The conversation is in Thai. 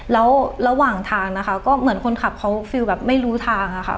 แล้วระหว่างทางนะคะก็เหมือนคนขับเขาฟิลแบบไม่รู้ทางค่ะ